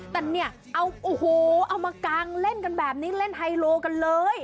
แต่เนี่ยเอาโอ้โหเอามากางเล่นกันแบบนี้เล่นไฮโลกันเลย